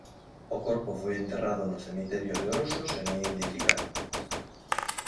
O corpo foi enterrado no cemiterio de Oroso sen identificar.